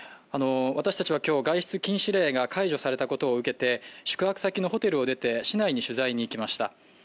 私たちは今日、外出禁止令が解除されたことを受けて、宿泊先のホテルを出て市内に取材に行きました。